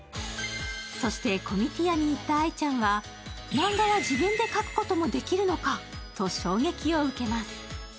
そしてコミティアに行った相ちゃんはマンガは自分で書くこともできるのかと衝撃を受けます。